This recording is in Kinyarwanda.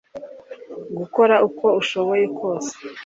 gukora uko ushoboye kose